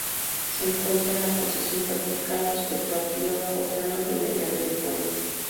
Se encuentra en la posición vertical respecto al río, cortándole mediante el puente.